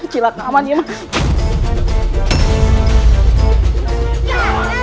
cilat aman ya